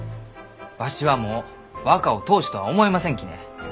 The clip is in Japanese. わしはもう若を当主とは思いませんきね。